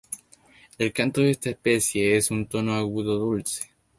El canto de esta especie es un tono agudo dulce.